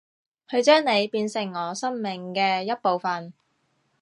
去將你變成我生命嘅一部份